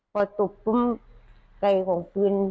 พอจุบใจของคุณ